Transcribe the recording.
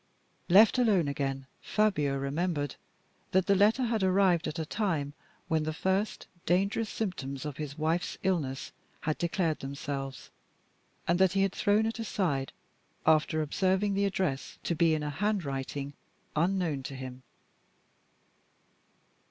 Left alone again, Fabio remembered that the letter had arrived at a time when the first dangerous symptoms of his wife's illness had declared themselves, and that he had thrown it aside, after observing the address to be in a handwriting unknown to him.